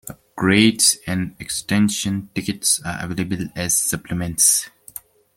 Upgrades and extension tickets are available as supplements.